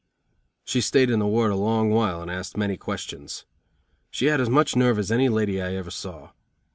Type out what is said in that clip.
She stayed in the ward a long while and asked many questions. She had as much nerve as any lady I ever saw.